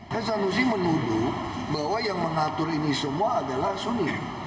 kan sanusi menuduh bahwa yang mengatur ini semua adalah sulit